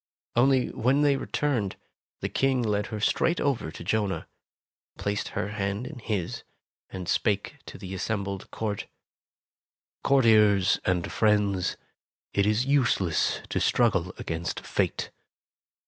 Only when they returned, the King led her straight over to Jonah, placed her hand in his, and spake to the assembled court: "Courtiers and friends, it is useless to struggle against Fate.